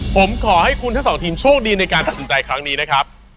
ผมขอให้คุณทั้งสองทีมโชคดีในการตัดสินใจครั้งนี้นะครับ